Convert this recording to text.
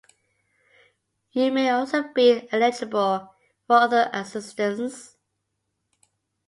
You may also be eligible for other assistance.